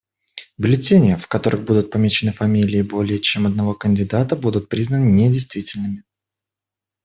Бюллетени, в которых будут помечены фамилии более чем одного кандидата, будут признаны недействительными.